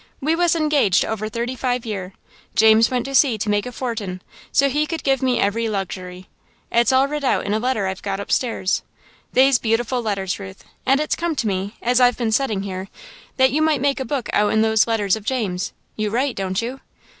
"We was engaged over thirty five year. James went to sea to make a fortin', so he could give me every luxury. It's all writ out in a letter I've got upstairs. They's beautiful letters, Ruth, and it's come to me, as I've been settin' here, that you might make a book out'n these letters of James's. You write, don't you?"